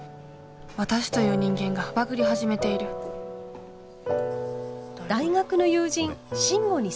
私という人間がバグり始めている大学の友人慎吾に相談すると。